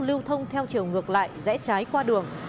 lưu thông theo chiều ngược lại rẽ trái qua đường